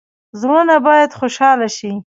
زړونه باید خوشحاله شي